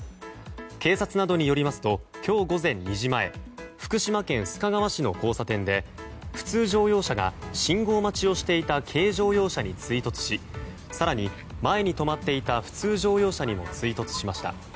警察などによりますと今日午前２時前福島県須賀川市の交差点で普通乗用車が信号待ちをしていた軽乗用車に追突し更に、前に止まっていた普通乗用車にも追突しました。